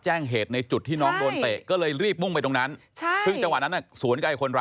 เจ็บตรงไหนตรงไหนหันมานี้ลูก